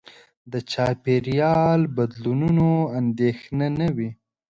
د چاپېریال بدلونونو اندېښنه نه وي.